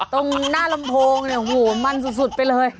ตรงหน้าระมพงศ์มันสุดไปเลย